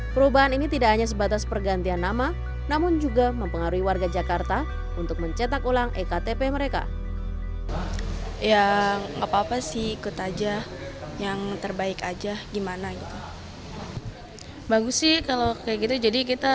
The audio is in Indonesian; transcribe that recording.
perubahan ini tidak hanya sebatas pergantian nama namun juga mempengaruhi warga jakarta untuk mencetak ulang ektp mereka